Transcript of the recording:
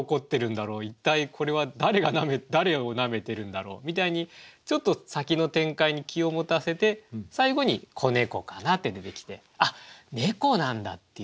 一体これは誰が誰をなめてるんだろうみたいにちょっと先の展開に気を持たせて最後に「子猫かな」って出てきてあっ猫なんだっていう。